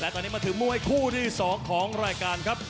ตอนนี้มาถึงมวยคู่ที่๒ของรายการครับ